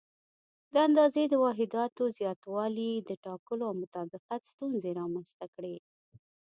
د اندازې د واحداتو زیاتوالي د ټاکلو او مطابقت ستونزې رامنځته کړې.